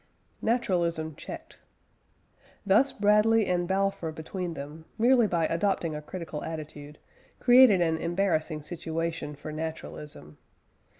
NATURALISM CHECKED. Thus Bradley and Balfour between them, merely by adopting a critical attitude, created an embarrassing situation for naturalism.